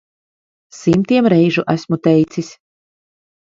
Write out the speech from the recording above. Simtiem reižu esmu teicis.